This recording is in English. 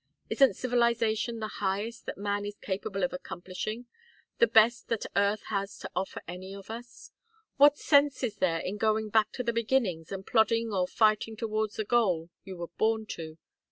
Isn't civilization the highest that man is capable of accomplishing, the best that Earth has to offer any of us? What sense is there in going back to the beginnings and plodding or fighting towards a goal you were born to?